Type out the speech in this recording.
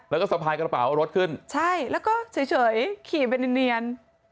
แล้วก็สะพายกระเป๋าเอารถขึ้นใช่แล้วก็เฉยขี่ไปเนียน